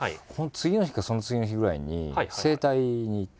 次の日かその次の日ぐらいに整体に行って。